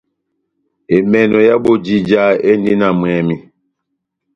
Emènò ya bojija endi na mwɛmi.